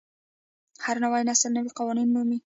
هر نوی نسل نوي قوانین مومي.